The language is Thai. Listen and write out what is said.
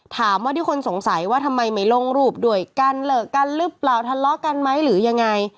ถามว่าที่คนสงสัยว่าทำไมไม่ลงรูปด้วยกันเลิกกันหรือเปล่าทะเลาะกันไหมหรือยังไง